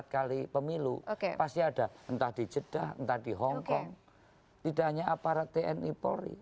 empat kali pemilu pasti ada entah di jeddah entah di hongkong tidak hanya aparat tni polri